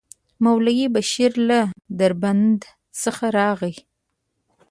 مولوي بشير له دربند څخه راغی.